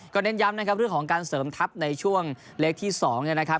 เน้นย้ำนะครับเรื่องของการเสริมทัพในช่วงเลขที่๒เนี่ยนะครับ